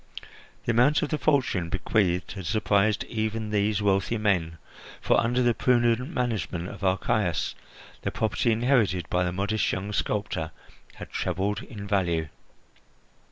The amount of the fortune bequeathed had surprised even these wealthy men, for under the prudent management of Archias the property inherited by the modest young sculptor had trebled in value.